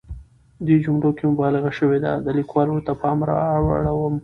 دې جملو کې مبالغه شوې ده، د ليکوال ورته پام رااړوم.